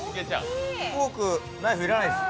フォーク、ナイフ要らないです。